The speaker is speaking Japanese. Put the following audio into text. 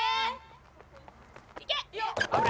いけ！